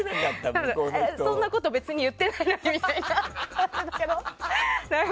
そんなこと別に言ってないのにみたいな。